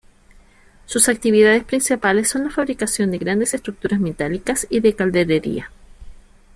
Sus actividades principales son la fabricación de grandes estructuras metálicas y de calderería.